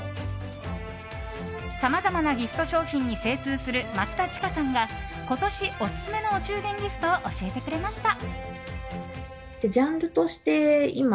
さまざまなギフト商品に精通する松田智華さんが今年オススメのお中元ギフトを教えてくれました。